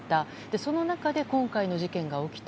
その中で、今回の事件が起きた。